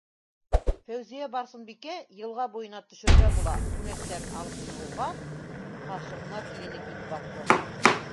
Фәүзиә-Барсынбикә йылға буйына төшөргә була күнәктәрен алып сығыуға, ҡаршыһына килене килеп баҫты: